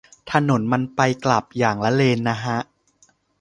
ถนนมันไปกลับอย่างละเลนนะฮะ